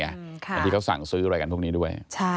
ที่เขาสั่งซื้ออะไรกันพวกนี้ด้วย